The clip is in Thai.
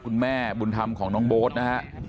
คุณแม่บุญธรรมของน้องโบ๊ทนะฮะ